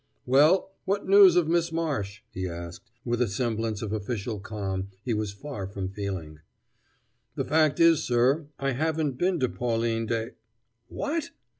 "Well, what news of Miss Marsh?" he asked, with a semblance of official calm he was far from feeling. "The fact is, sir, I haven't been to Pauline Des " "What!"